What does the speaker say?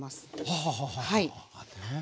はあはあはあねえ。